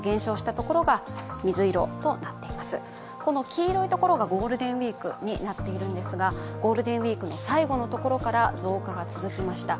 黄色いところがゴールデンウイークになっているんですがゴールデンウイークの最後のところから増加が続きました。